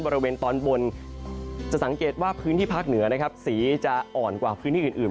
บริเวณตอนบนจะสังเกตว่าพื้นที่ภาคเหนือนะครับสีจะอ่อนกว่าพื้นที่อื่น